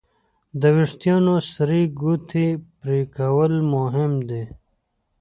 د وېښتیانو سرې ګوتې پرېکول مهم دي.